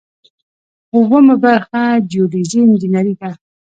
اوومه برخه جیوډیزي انجنیری ده.